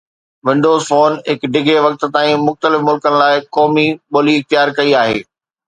windows phone هڪ ڊگهي وقت تائين مختلف ملڪن لاء قومي ٻولي اختيار ڪئي آهي